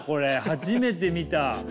初めて見た。